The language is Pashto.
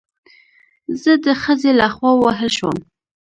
زه د خځې له خوا ووهل شوم